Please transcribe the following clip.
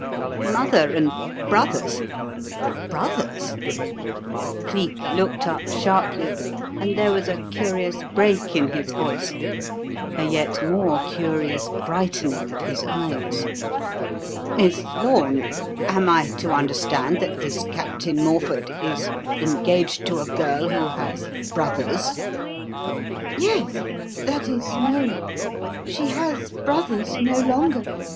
"Mother and brothers? brothers?" Cleek looked up sharply, and there was a curious break in his voice, a yet more curious brightening of his eyes. "Miss Lorne, am I to understand that this Captain Morford is engaged to a girl who has brothers?" "Yes. That is no. She has 'brothers' no longer.